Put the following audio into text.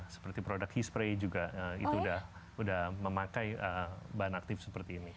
seperti produk key spray juga itu udah memakai bahan aktif seperti ini